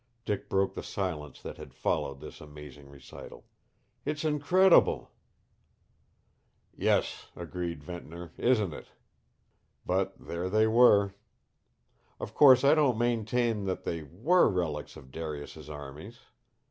Dick broke the silence that had followed this amazing recital. "It's incredible!" "Yes," agreed Ventnor, "isn't it. But there they were. Of course, I don't maintain that they WERE relics of Darius's armies.